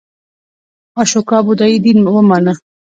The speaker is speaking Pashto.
اشوکا بودایی دین ومانه.